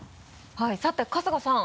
はいさて春日さん。